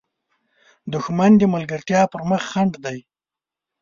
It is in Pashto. دښمن د ملګرتیا پر مخ خنډ دی